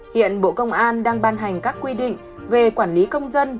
hiện bộ công an đang ban hành các quy định về quản lý công dân